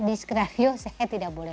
di skenario saya tidak boleh